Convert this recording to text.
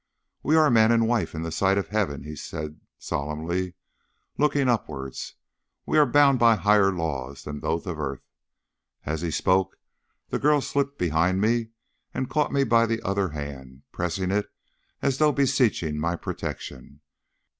"We are man and wife in the sight of Heaven," he said solemnly, looking upwards. "We are bound by higher laws than those of earth." As he spoke the girl slipped behind me and caught me by the other hand, pressing it as though beseeching my protection.